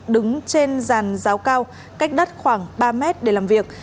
đứng trên giàn giáo cao cách đất khoảng ba mét để làm việc